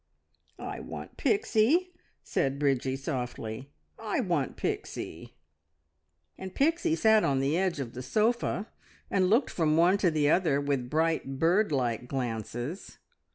"I want Pixie!" said Bridgie softly. "I want Pixie!" And Pixie sat on the edge of the sofa, and looked from one to the other with bright, bird like glances.